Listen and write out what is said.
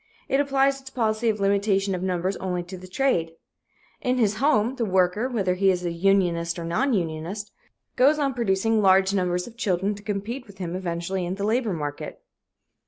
It applies its policy of limitation of numbers only to the trade. In his home, the worker, whether he is a unionist or non unionist, goes on producing large numbers of children to compete with him eventually in the labor market.